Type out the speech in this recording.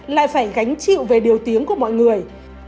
lại phải gánh chịu về điều tiếng của mọi người